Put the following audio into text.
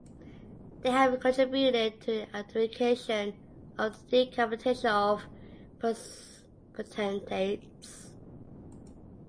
They have contributed to the abdication or the decapitation of potentates.